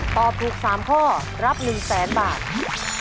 ตอบถูก๓ข้อรับ๑แสนบาท